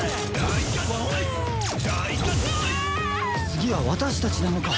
次は私たちなのか。